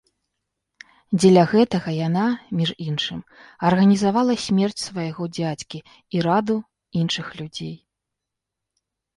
Дзеля гэтага яна, між іншым, арганізавала смерць свайго дзядзькі і раду іншых людзей.